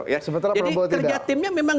jadi kerja timnya memang